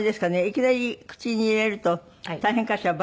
いきなり口に入れると大変かしら？